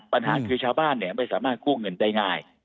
ปัญหาคือชาวบ้านไม่สามารถกู้เงินได้ง่าย